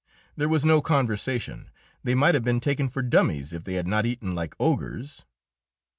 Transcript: There was no conversation; they might have been taken for dummies if they had not eaten like ogres.